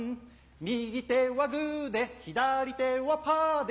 右手はグで左手はパで